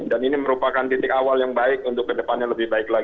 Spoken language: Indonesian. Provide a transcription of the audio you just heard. dan ini merupakan titik awal yang baik untuk ke depannya lebih baik lagi